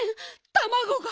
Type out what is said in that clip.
たまごが。